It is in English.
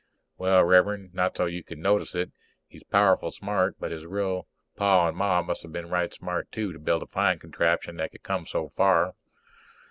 _ Well, Rev'rend, not so's you could notice it. He's powerful smart, but his real Pa and Ma must have been right smart too to build a flying contraption that could come so far.